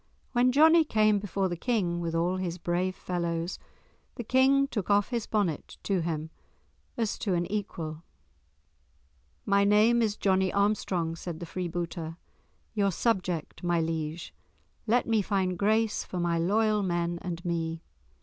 When Johnie came before the King with all his brave fellows, the King took off his bonnet to him as to an equal. "My name is Johnie Armstrong," said the freebooter, "your subject, my liege; let me find grace for my loyal men and me."